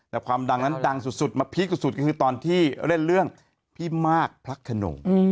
แต่ความดังนั้นดังสุดมาพีคสุดก็คือตอนที่เล่นเรื่องพี่มากพลักขนง